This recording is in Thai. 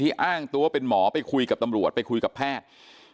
อ้างตัวเป็นหมอไปคุยกับตำรวจไปคุยกับแพทย์